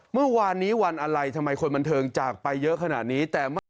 เมื่อวานนี้วันอะไรทำไมคนบันเทิงจากไปเยอะขนาดนี้แต่ไม่